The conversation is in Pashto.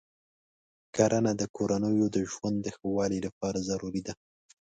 کرنه د کورنیو د ژوند د ښه والي لپاره ضروري ده.